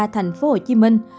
thành phố hồ chí minh